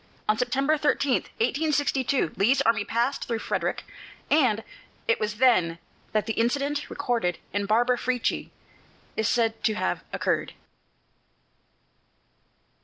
On September 13, 1862, Lee's army passed through Frederick, and it was then that the incident recorded in "Barbara Frietchie" is said to have occurred.